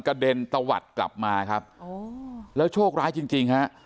เด็นตะวัดกลับมาครับโอ้แล้วโชคร้ายจริงจริงฮะ